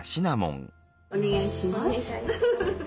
お願いします。